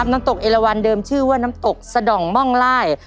น้ำตกเอลวันเดิมชื่อว่าน้ำตกสะด่องม่องไล่